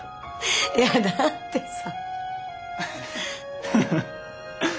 いやだってさ。